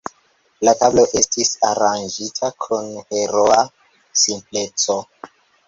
La tablo estis aranĝita kun heroa simpleco.